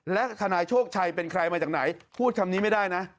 และทนายโชคชัยเป็นใครมาจากไหนพูดคำนี้ไม่ได้นะ